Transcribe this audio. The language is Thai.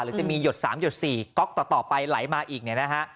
หรือจะมีหยด๓หยด๔ก๊อกต่อไปไหลมาอีกเนี่ยนะฮะ